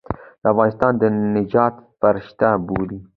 د افغانستان د نجات فرشته بولي.